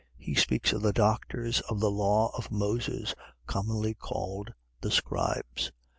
. .He speaks of the doctors of the law of Moses, commonly called the scribes.